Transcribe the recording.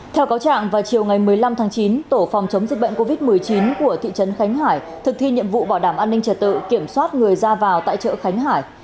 theo cáo trạng vào chiều ngày một mươi năm tháng chín tổ phòng chống dịch bệnh covid một mươi chín của thị trấn khánh hải thực thi nhiệm vụ bảo đảm an ninh trật tự kiểm soát người ra vào tại chợ khánh hải